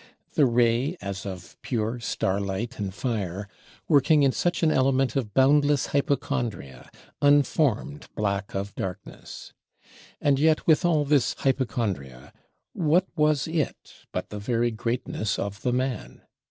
The ray as of pure starlight and fire, working in such an element of boundless hypochondria, _un_formed black of darkness! And yet withal this hypochondria, what was it but the very greatness of the man?